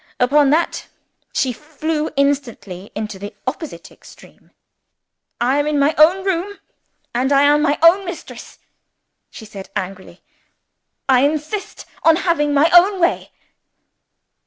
Upon that she flew instantly into the opposite extreme. "I am in my own room, and I am my own mistress," she said angrily. "I insist on having my own way."